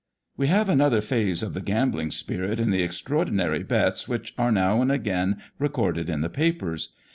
We have another phase of the gambling spirit in the extraordinary bets which are now and again recorded in the papers.